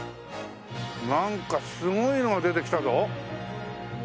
なんかすごいのが出てきたぞ。